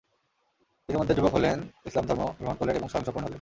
ইতিমধ্যে যুবক হলেন, ইসলাম ধর্ম গ্রহণ করলেন এবং স্বয়ংসম্পূর্ণ হলেন।